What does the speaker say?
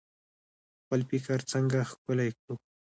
خپل فکر څنګه ښکلی کړو؟